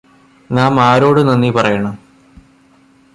നാം ആരോട് നന്ദി പറയണം